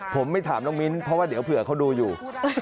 ผมไม่ถามน้องมิ้นเพราะว่าเดี๋ยวเผื่อเขาดูอยู่